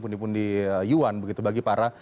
pundi pundi yuan begitu bagi para